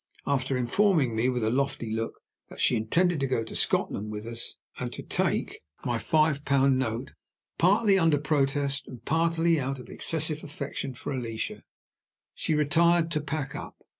After informing me with a lofty look that she intended to go to Scotland with us, and to take my five pound note partly under protest, and partly out of excessive affection for Alicia she retired to pack up.